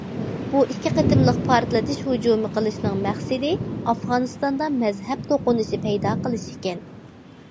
بۇ ئىككى قېتىملىق پارتلىتىش ھۇجۇمى قىلىشنىڭ مەقسىتى ئافغانىستاندا مەزھەپ توقۇنۇشى پەيدا قىلىش ئىكەن.